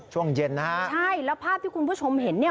ช่วงเย็นนะฮะใช่แล้วภาพที่คุณผู้ชมเห็นเนี่ย